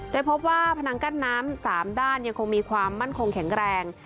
โดยพบว่าพนังกั้นน้ำ๓ด้านยังคงมีความมั่นคงแข็งแรง